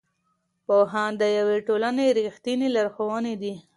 پوهان د یوې ټولنې رښتیني لارښوونکي دي.